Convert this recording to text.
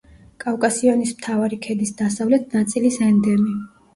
კავკასიონის მთავარი ქედის დასავლეთ ნაწილის ენდემი.